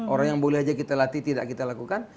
orang yang boleh aja kita latih tidak kita lakukan